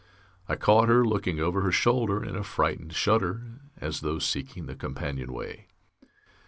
I caught her looking over her shoulder in a frightened shudder, as though seeking the companionway.